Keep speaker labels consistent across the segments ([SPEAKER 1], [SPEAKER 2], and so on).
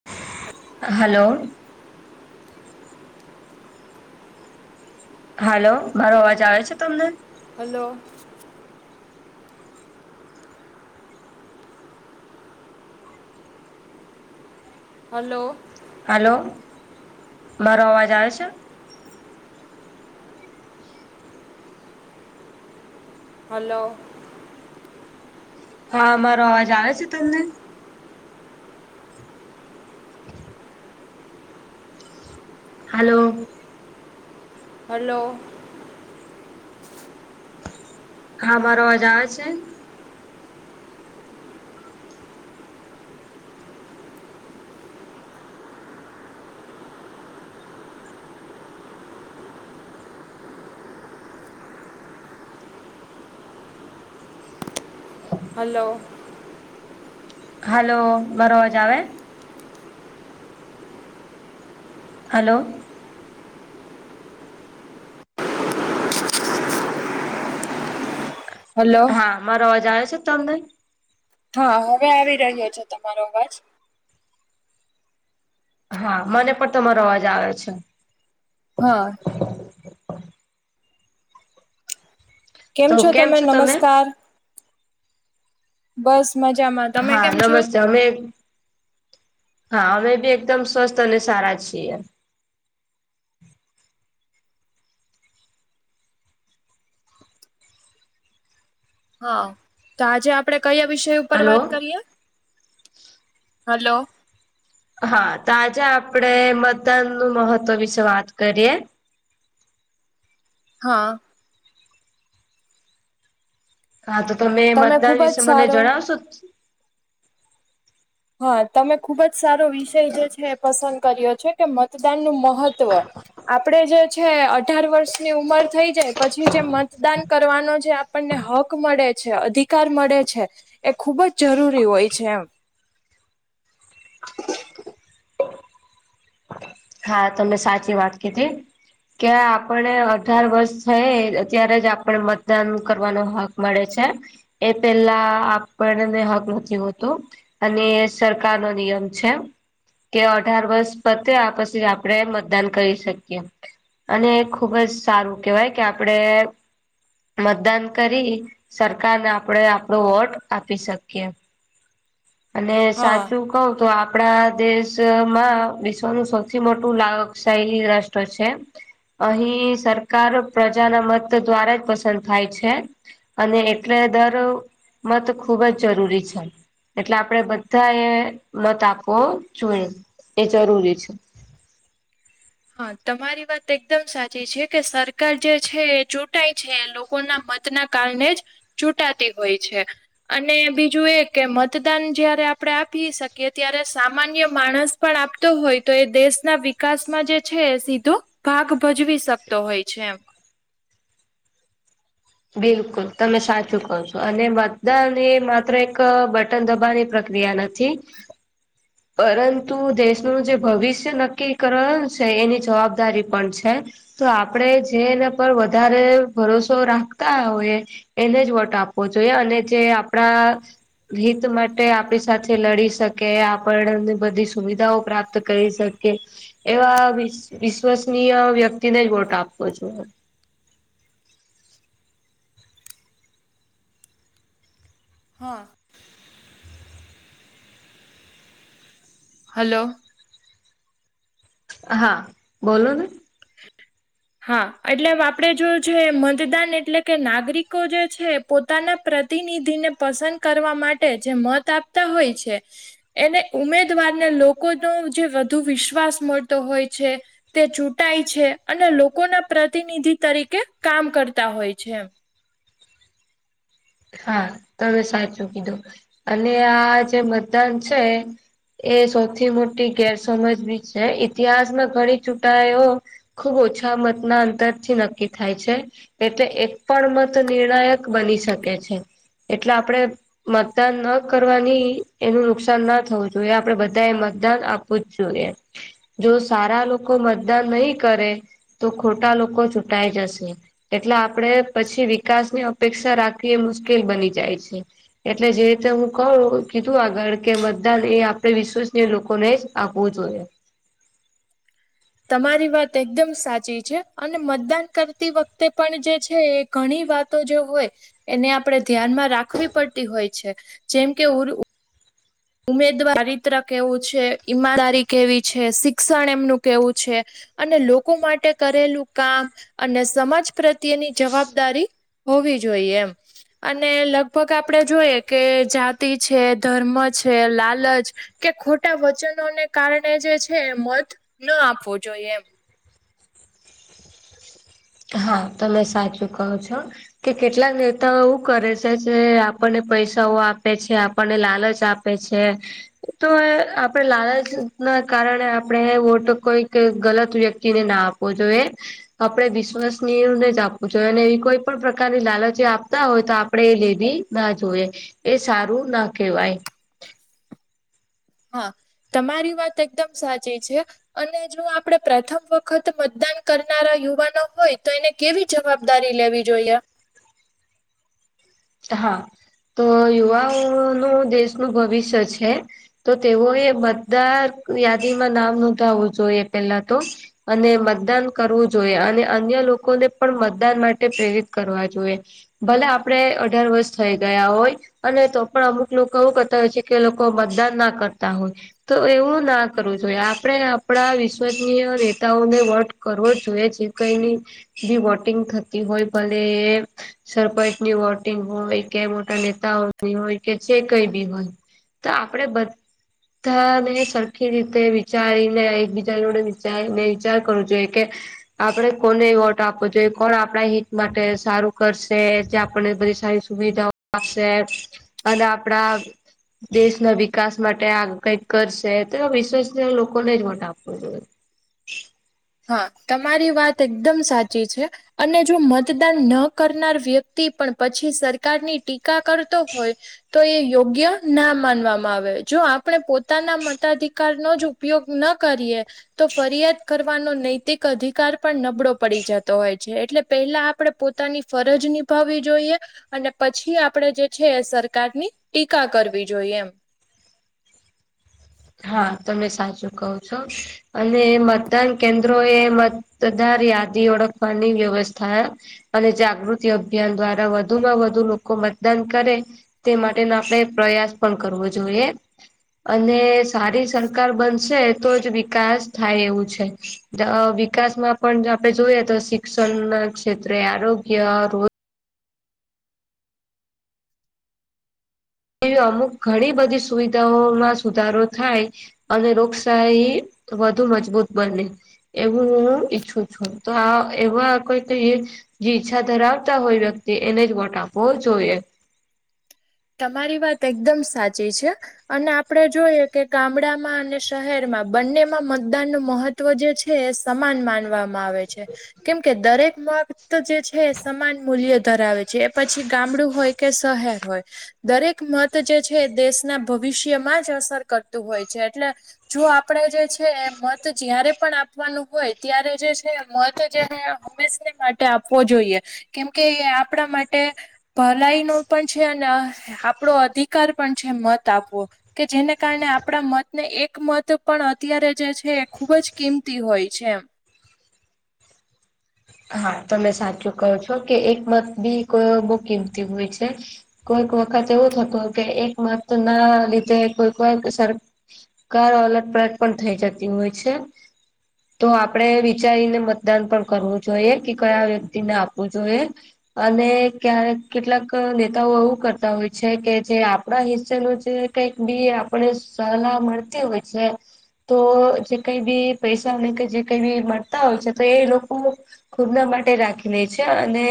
[SPEAKER 1] [inaudible]
[SPEAKER 2] Hello. Hello, મારો અવાજ આવે છે તમને?
[SPEAKER 1] હલો. હલો.
[SPEAKER 2] હલો, મારો અવાજ આવે છે?
[SPEAKER 1] હલો.
[SPEAKER 2] હા, મારો અવાજ આવે છે તમને? હલો.
[SPEAKER 1] હલો.
[SPEAKER 2] હા, મારો અવાજ આવે છે? [inaudible]
[SPEAKER 1] હલો.
[SPEAKER 2] હલો, મારો અવાજ આવે? હલો
[SPEAKER 1] હલો
[SPEAKER 2] હા મારો અવાજ આવ છે તમને
[SPEAKER 1] હા હવે આવી રહ્યો છે તમારો અવાજ
[SPEAKER 2] હા મને પણ તમારો અવાજ આવે છે
[SPEAKER 1] હા કેમ છો તમે નમસ્કાર બસ મજા
[SPEAKER 2] હા નમસ્તે અમે હા અમે બી એકદમ સ્વસ્થ અને સારા છીએ
[SPEAKER 1] હા તો આજે આપડે કયા વિષય ઉપર
[SPEAKER 2] હલો
[SPEAKER 1] વાત કરીએ હલો
[SPEAKER 2] હા તો આજે આપડે મતદાન નું મહત્વ વિશે વાત કરીએ
[SPEAKER 1] હા
[SPEAKER 2] હા તો તમે મતદાન
[SPEAKER 1] ખૂબ જ
[SPEAKER 2] વિશે મને
[SPEAKER 1] સારો
[SPEAKER 2] જણાવશો
[SPEAKER 1] હા તમે ખુબ જ સારો વિષય જે છે એ પસંદ કર્યો છે કે મતદાન નું મહત્વ આપડે જે છે અઢાર વર્ષની ઉમર થઈ જાય પછી જે મતદાન કરવાનો જે આપણને હક મળે છે અધિકાર મળે છે એ ખૂબ જ જરૂરી હોય છે એમ
[SPEAKER 2] હા તમે સાચી વાત કીધી કે આપણે અઢાર વર્ષ થયે અત્યારે જ આપણે મતદાન કરવાનો હક મળે છે એ પેલા આપણને હક નથી હોતો અને સરકાર નો નિયમ છે કે અઢાર વર્ષ પત્યા પછી આપણેે મતદાન કરી શકીએ અને ખુબ જ સારું કેહેવાય કે આપડે મતદાન કરી સરકારને આપડે આપણો વોટ આપી શકીએ અને
[SPEAKER 1] હા
[SPEAKER 2] સાચું કવ તો આપડા દેશમાં વિશ્વનું સૌથી મોટું લોકશાહી રાષ્ટ્ર છે અહીં સરકાર પ્રજાના મત દ્વારા જ પસંદ થાય છે અને એટલે દર મત ખુબ જ જરૂરી છે એટલે આપડે બધા એ મત આપવો જોઈએ એ જરૂરી છે
[SPEAKER 1] હા તમારી વાત એકદમ સાચી છે કે સરકાર જે છે એ ચૂંટાય છે લોકોના મત ના કારણે જ ચૂટાતી હોય છે અને બીજું એ કે મતદાન જયારે આપણે આપી શકીએ ત્યારે સામાન્ય માણસ પણ આપતો હોય તો એ દેશના વિકાસ માં જે છે એ સીધો ભાગ ભજવી શકતો હોય છે એમ
[SPEAKER 2] બિલકુલ તમે સાચું કહો છો અને બધા ને માત્ર એક બ [unintelligible] પ્રક્રિયા નથી
[SPEAKER 1] [inaudible]
[SPEAKER 2] પરંતુ દેશનું જે ભવિષ્ય નક્કી કરવાનું છે એની જવાબદારી પણ છે તો આપડે જે એના પર વધારે ભરોસો રાખ હોય એને જ વોટો આપવો જોઈએ અને જે આપણા હિત માટે આપણી સાથે લડી શકે આપણને બધી સુવિધાઓ પ્રાપ્ત કરી શકે એવા વિશ્વસનીય વ્યક્તિને જ વોટ આપો છો
[SPEAKER 1] હા હલો
[SPEAKER 2] હા બોલો ને
[SPEAKER 1] હા એટલે આપડે જો છે મતદાન એટલે કે નાગરિકો જે છે પોતાના પ્રતિનિધિને પસંદ કરવા માટે જે મત આપતા હોય છે એને ઉમેદવારને લોકોનો જે વધુ વિશ્વાસ મળતો હોય છે તે ચૂંટાય છે અને લોકોના પ્રતિનિધિ તરીકે કામ કરતા હોય છે.
[SPEAKER 2] હા તમે સાચું કીધું અને આ જે મતદાન છે એ સૌથી મોટી ગેરસમજ બી છે ઇતિહાસમાં ઘણી ચૂંટાયો ખુબ ઓછા મતના અંતરથી નક્કી થાય છે. એટલે એક પણ મત નિર્ણાયક બની શકે છે એટલે આપણેે મતદાન ન કરવાની એનું નુકસાન ના થવું જોઈએ આપડે બધા એ મતદાન આપ વુ જોઈએ સારા લોકો મતદાન નહી કરે તો ખોટા લોકો ચૂટાઈ જશે એટલે આપડે પછી વિકાસની અપેક્ષા રાખી થી એ મુશ્કેલ બની જાય છે. એટલે જે રીતે હું કહું કીધું આગળ કે મતદાન એ આપણને વિશ્વસય લોકોને જ આપવો જોઈએ.
[SPEAKER 1] તમારી વાત એકદમ સાચી છે અને મતદાન કરતી વખતે પણ જે છે ઘણી વાતો જો હોય એને આપણેે ધ્યાનમાં રાખવી પડતી હોય છે જેમ કે [unintelligible] ઉમેદવારી ચરિત્ર કેવું છે, ઈમાનદારી કેવી છે, શિક્ષણ એમનું કેવું છે અને લોકો માટે કરેલું કામ અને સમાજ પ્રત્યેની જવાબદારી હોવી જોઈએ એમ. અને લગભગ આપડે જોઈએ કે જાતિ છે, ધર્મ છે, લાલચ કે, ખોટા વચનોને કારણે જે છે મત ન આપવો જોઈએ એમ.
[SPEAKER 2] હા તમે સાચું કહો છો. કે કેટલાક નેતાઓ એવું કરે છે જે આપણને પૈસાઓ આપે છે, આપણને લાલચ આપ પે છે. તોય આપડે લાલચ ના કારણે આપડે વોટ કોઈક ગલત વ્યક્તિને ના આપ પો જોએ આપણે વિસ વસનીય ને જ આપવું જોઈએ અને ઈ કોઈ પણ પ્રકારની લાલચી આપતા હોય તો આપડે એ લેવી ના જોએ. એ સારું ના કેવાય.
[SPEAKER 1] હા તમારી વાત એકદમ સાચી છે. અને જો આપડે પ્રથમ વખત મતદાન કરનારા યુવાનો હોય તો એને કેવી જવાબદારી લેવી જોઈએ?
[SPEAKER 2] હા તો યુવાઓનું દેશનું ભવિષ્ય છે. તો તેઓએ મતદાર યાદીમાં નામ નોંધાવું જોઈએ પેલા તો અને મતદાન કરવું જોઈએ અને અન્ય લોકોને પણ મતદાન માટે પ્રેરિત કરવા જોએ. ભલે આપડે અઢાર વર્ષ થઇ ગયા હોય અને તો પણ અમુક લોકો એવું કરતા હોય છે કે લોકો મતદાન ના કરતા હોય. તો એવું ના કરવું જોઈએ આપડે આપડા વિશ્વનીય નેતાઓને વોટ કરવો જોઈએ જે કઈની બી વોટિંગ થતી હોય ભલે એ સરપંચની વોટ ટિંગ હોય કે મોટા નેતાઓની હોય કે જે કઈ બી હોય તો આપડે બધ ધાને સરખી રીતે વિચારીને એકબીજા જોડે વિચારીને વિચાર કરવો જોઈએ કે આપડે કોને એ વોટ આપવો જોઈએ કોણ આપણા હિત માટે સારું કરશે જે આપને બધીસ સારી સુવિધાઓ આપશે અને આપડા દેશના વિકાસ માટે આ કઈક કરશે તો વિશ્વસ લોકોને જ વોટ આપવો જોઈએ.
[SPEAKER 1] હા તમારી વાત એકદમ સાચી છે. અને જો મતદાન ન કરનાર વ્યક્તિ પણ પછી સરકારની ટીકા કરતો હોય તો યે યોગ્ય ના માનવામાં આવે જો આપણે પોતાના મતાધિકાર ન જો ઉપયોગ ન કરીએ તો ફરિયાદ કર ફાનો નૈતિક અધિકાર પણ નબળો પડી જતો હોય. છે એટલે પેહલા આપડે પોતાની ફરજ નિભાવી જોઈએ અને પછી આપડે જે છે એ સરકારની ટીકા કરવી જોઈએ એમ
[SPEAKER 2] હા તમે સાચું કહો છો. અને મતદાન કેન્દ્રો એ મતદાર યાદી ઓળખવાની વ્યવસ્થા અને જાગૃતિ અભિયાન દ્વારા વધુમાં વધુ લોકો મતદાન કરે તે માટેનો આપણે પ્રયાસ પણ કરવો જોઈએ અનેજ સારી સરકાર બનશે તો જ વિકાસ થાય એવું છે. ત અ વિકાસમાં પણ આપડે જોઈએ તો શિક્ષણના ક્ષેત્રે આરોગ્ય રોજ એવી અમુક ઘણી બધી સુવિધાઓમાં સુધારો થાય. અને લોકશાહી વધુ મજબૂત બને. એવું હું ઈચ્છું છું તો આ એવા કઈ તો ઈ જે ઈચ્છા ધરાવતા હોય વ્યક્તિ એને જ વોટ આપવો જોઈએ.
[SPEAKER 1] તમારી વાત એકદમ સાચી છે. અને આપડે જોઈએ કે ગામડામાં અને શહેરમાં બંનેમાં મતદાન નું મહત ત્વ જે છે એ સમાન માનવામાં માવે છે કેમ કે દરેક મક્ત જે છે સમાન મૂલ્ય ધરાવે છે પછી ગામડું હોય કે શહેર હોય. દરેક મત જે છે દેશના ભવિષ્યમાં જ અસર કરતું હોય છે એટલે જો આપડે જે છે મત જયારે પણ આપવાનું હોય ત્યારે જે છે મત જે માટે આપવો જોઈએ કેમકે આપણા માટે ભલાઈ નો પણ છે આપડો અધિકાર પણ છે મત આપવો. કે જેને કારણે આપણા મતને એક મત પણ અત્યારે જે છે ખૂબ જ કિંમતી હોય છે એ
[SPEAKER 2] હા તમે સાચું કહો છો કે એક મત બી કોઈ બહુ કીમતી હોય છે. કોઈક વખત એવું થતું કે એક મત ના લીધે કોઈવાર [unintelligible] કાયા અલટ પલટ પણ થઈ જતી હોય છે. તો આપડણે વિચારીને મતદાન પણ કરવું. જોઈએ કે કયા વ્યક્તિ ને આપવું જોઈએ. અને ક કેટલાક નેતાઓ એવું કરતા હોય છે કે જે આપણા હિસ્સેનું જે કઈક બી આપણે સલાહ મળતી હોય છે. તો જે કઈ બી પૈસા [inaudible] કે જે કઈ બી મળતા હોય છે તો એ લોકો ખુદના માટે રાખી લે છે અને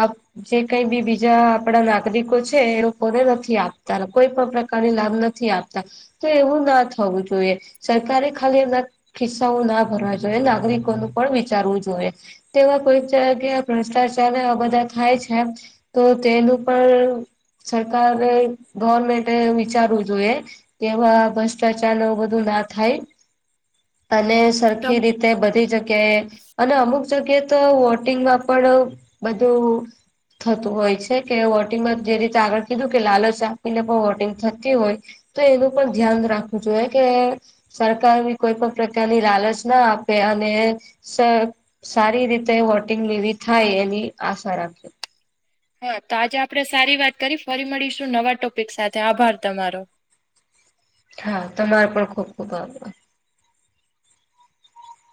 [SPEAKER 2] આપ જે કઈ બી બીજા આપડા નાગરિકો છે એ લોકોને નથી આપતા કોઈ પણ પ્રકારની લાભ નથી આપતા તો એવું ના થવું જોઈએ સરકારે ખાલી એમ ખિસ્સાઓ ના ભરવા જોઈએ નાગરિકોનું પણ વિચારવું જોઈએ. તેવા [inaudible] ભ્રષ્ટાચારને એ બધા થાય છે. તો તેનું પણ સરકારે ગવર્મેન્ટે વિચારવું જોઈએ. એવા ભ્રષ્ટાચાર ન બધું ના થાય અને
[SPEAKER 1] તો
[SPEAKER 2] સરખી રીતે બધી જગ્યા અને અમુક જગએ તો વોટિંગમાં પણ બધું થતું હોય છે કે વોટિંગમાં જે રીતે આગળ કીધું કે લાલચ આપીને પણ વોટિંગ થતી હોય. તો એનું પણ ધ્યાન રાખવું જોઈએ કે, સરકાર બી કોઈ પણ પ્રકારની લાલચ ના આપે અને સારી રીતે વોટિંગ એવી થાય એની આશા રાખે.
[SPEAKER 1] હા તો આજે આપણે સારી વાત કરી ફરી મળીશું નવા ટોપિક સાથે આભાર તમારો.
[SPEAKER 2] હા તમારો પણ ખુબ ખુબ આભાર.